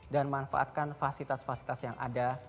dan manfaatkan fasilitas fasilitas yang ada